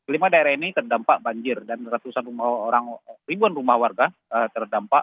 lima daerah ini terdampak banjir dan ribuan rumah warga terdampak